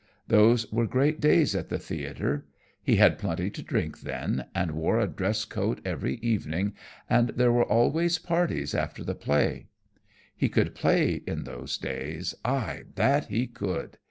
Those were great days at the theatre. He had plenty to drink then, and wore a dress coat every evening, and there were always parties after the play. He could play in those days, ay, that he could!